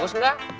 masa bagus kak